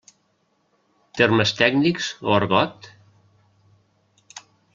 Termes tècnics o argot?